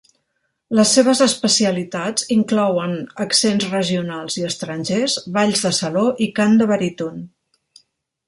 Les seves especialitats inclouen accents regionals i estrangers, balls de saló i cant de baríton.